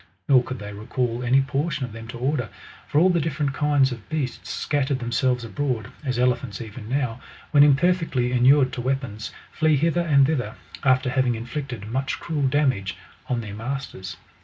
Nor could they recall any portion of them to order; for all the different kinds of beasts scattered themselves abroad ; as ele phants even now, when imperfectly inured to weapons, flee hither and thither, after having inflicted much cruel damage on their masters.